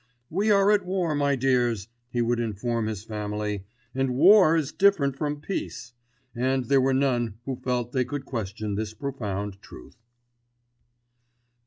"We are at war, my dears," he would inform his family, "and war is different from peace," and there were none who felt they could question this profound truth.